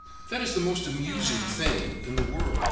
That is the most amusing thing in the world.